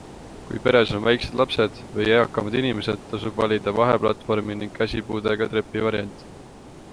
Kui peres on väikesed lapsed või eakamad inimesed, tasub valida vaheplatvormi ning käsipuudega trepivariant.